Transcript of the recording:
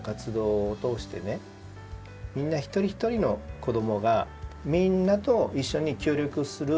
みんな一人一人の子どもがみんなと一緒に協力する。